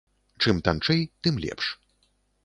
Чым танчэй, тым лепш.